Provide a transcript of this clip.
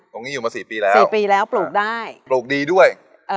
อยู่มาสี่ปีแล้วสี่ปีแล้วปลูกได้ปลูกดีด้วยเอ่อ